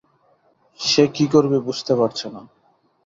সে কী করবে বুঝতে পারছে না।